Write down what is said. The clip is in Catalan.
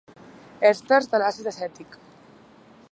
Èsters de l'àcid acètic.